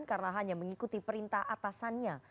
karena hanya mengikuti perintah atasannya